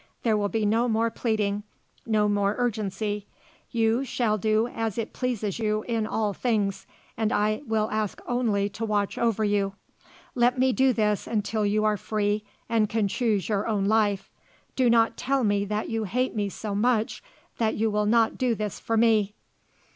There will be no more pleading; no more urgency. You shall do as it pleases you in all things, and I will ask only to watch over you. Let me do this until you are free and can choose your own life. Do not tell me that you hate me so much that you will not do this for me."